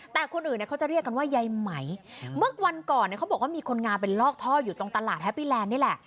แต่คนอื่นเนี่ยเขาจะเรียกกันว่ายายไหมเมื่อวันก่อนเนี่ยเขาบอกว่ามีคนงานเป็นลอกท่ออยู่ตรงตลาดแฮปปี้แลนด์นี่แหละ